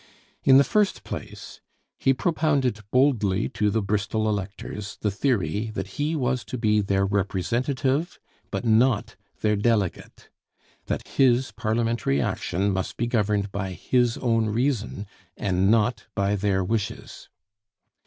In the first place, he propounded boldly to the Bristol electors the theory that he was to be their representative but not their delegate; that his parliamentary action must be governed by his own reason and not by their wishes.